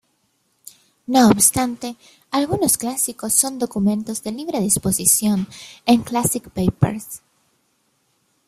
No obstante, algunos "clásicos" son documentos de libre disposición en Classic papers.